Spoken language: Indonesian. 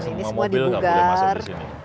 nanti semua mobil tidak boleh masuk ke sini